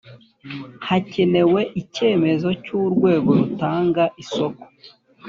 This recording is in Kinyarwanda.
hakenewe icyemezo cy’urwego rutanga isoko